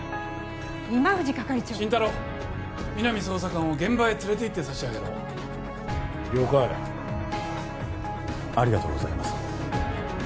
今藤係長心太朗皆実捜査官を現場へ連れていってさしあげろ了解ありがとうございます